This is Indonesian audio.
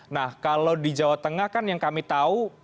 nah kalau di jawa tengah kan yang kami tahu